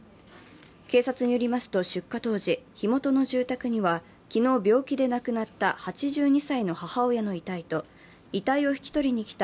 警察によりますと出火当時火元の住宅には、昨日、病気で亡くなった８２歳の母親の遺体と遺体を引き取りに来た